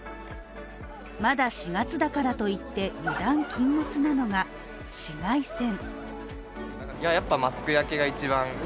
まだ４月だからといって油断禁物なのが紫外線。